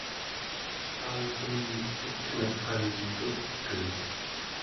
augem nutngallran cuqii